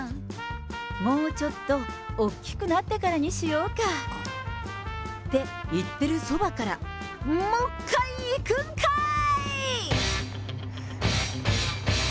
もうちょっとおっきくなってからにしようか、って言ってるそばから、もう１回いくんかーい。